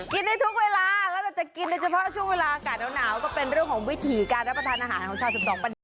กินได้ทุกเวลาแล้วเราจะกินโดยเฉพาะช่วงเวลาอากาศหนาวก็เป็นเรื่องของวิถีการรับประทานอาหารของชาว๑๒ปัญญา